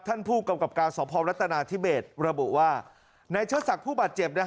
ท่านผู้กรรมกราบการสอบพรรณรัฐนาธิเบสระบุว่าในเชื้อสักผู้บาดเจ็บเนี่ย